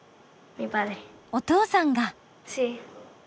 お父さんが！